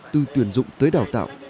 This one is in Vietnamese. từ tuyển dụng tới đào tạo